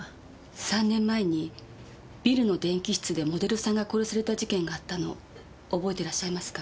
３年前にビルの電気室でモデルさんが殺された事件があったの覚えてらっしゃいますか？